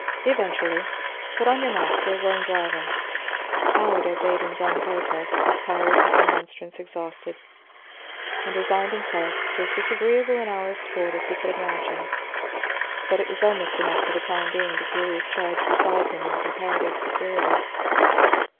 "Eventually. Put on your mask; we are going driving." Allard obeyed in dumb protest, his powers of remonstrance exhausted, and resigned himself to as disagreeable an hour's sport as he could imagine. But it was almost enough for the time being to feel his charge beside him in comparative security.